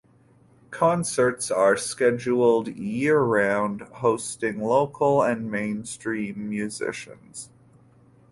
Concerts are scheduled year round, hosting local and mainstream musicians.